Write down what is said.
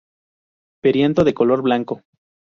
Perianto de color blanco.